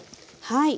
はい。